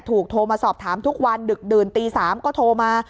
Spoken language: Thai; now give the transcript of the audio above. โทรมาสอบถามทุกวันดึกดื่นตี๓ก็โทรมา